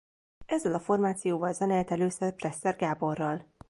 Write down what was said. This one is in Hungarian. Ezzel a formációval zenélt először Presser Gáborral.